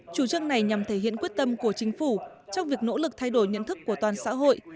chủ trương này nhằm thể hiện quyết tâm của chính phủ trong việc nỗ lực thay đổi nhận thức của toàn xã hội